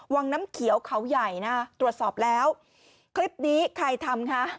วังน้ำเขียวเขาใหญ่นะตรวจสอบแล้วคลิปนี้ใครทำคะ